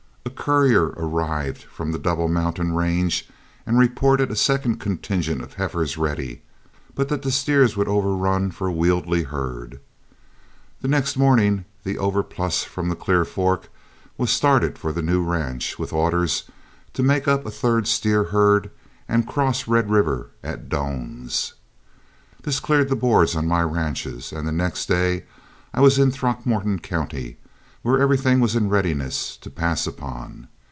A courier arrived from the Double Mountain range and reported a second contingent of heifers ready, but that the steers would overrun for a wieldy herd. The next morning the overplus from the Clear Fork was started for the new ranch, with orders to make up a third steer herd and cross Red River at Doan's. This cleaned the boards on my ranches, and the next day I was in Throckmorton County, where everything was in readiness to pass upon.